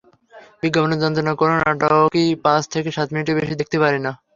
বিজ্ঞাপনের যন্ত্রণায় কোনো নাটকই পাঁচ থেকে সাত মিনিটের বেশি দেখতে পারিনি।